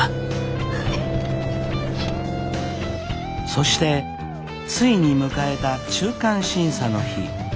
そしてついに迎えた中間審査の日。